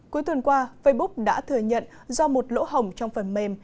cuối tuần qua facebook đã thừa nhận do một lỗ hỏng trong phần mềm